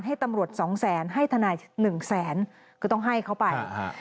ให้ตำรวจ๒แสนให้ทนาย๑แสนก็ต้องให้เขาไป